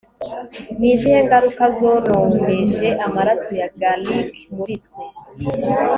Ni izihe ngaruka zononeje amaraso ya Gallic muri twe